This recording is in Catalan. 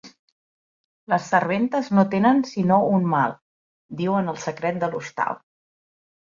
Les serventes no tenen sinó un mal: diuen el secret de l'hostal.